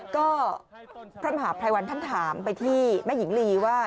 ก็พระมหาภัยวันท่านถามไปที่แม่หญิงลีว่า